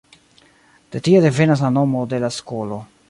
De tie devenas la nomo de la skolo.